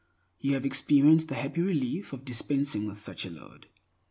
You have experienced the happy relief of dispensing with such a load.